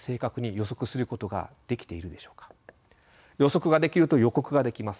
予測ができると予告ができます。